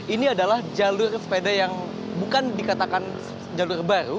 ini adalah jalur sepeda yang bukan dikatakan jalur baru